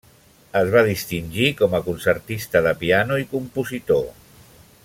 Es va distingir com a concertista de piano i compositor.